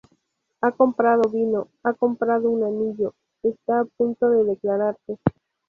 Ha comprado vino, ha comprado un anillo, está a punto de declararse.